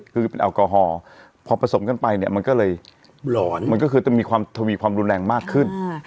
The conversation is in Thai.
คือเป็นแอลกอฮอล์พอผสมกันไปมันก็เลยมันก็คือจะมีความรุนแรงมากขึ้น